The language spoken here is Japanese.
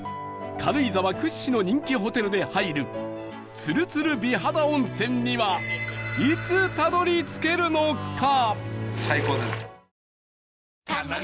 軽井沢屈指の人気ホテルで入るツルツル美肌温泉にはいつたどり着けるのか？